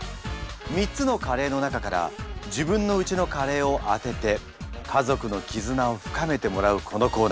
３つのカレーの中から自分のうちのカレーを当てて家族の絆を深めてもらうこのコーナー。